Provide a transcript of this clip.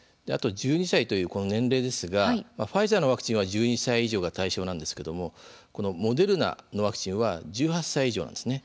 １２歳というこの年齢ですがファイザーのワクチンは１２歳以上が対象なんですけどもモデルナのワクチンは１８歳以上なんですね。